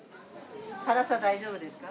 辛さ大丈夫ですか？